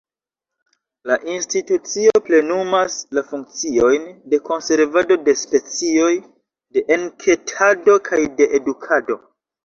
La institucio plenumas la funkciojn de konservado de specioj, de enketado kaj de edukado.